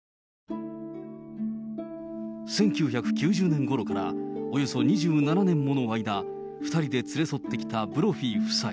１９９０年ごろから、およそ２７年もの間、２人で連れ添ってきたブロフィー夫妻。